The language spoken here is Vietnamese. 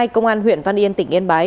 công an huyện văn yên tỉnh yên bái